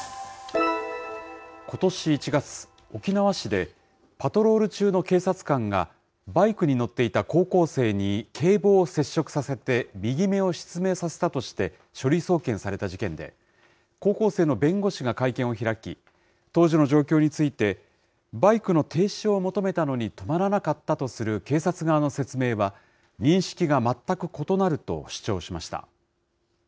ことし１月、沖縄市でパトロール中の警察官が、バイクに乗っていた高校生に警棒を接触させて、右目を失明させたとして、書類送検された事件で、高校生の弁護士が会見を開き、当時の状況について、バイクの停止を求めたのに止まらなかったとする警察側の説明は、認識が全く異なると主張しました。